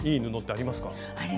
あります。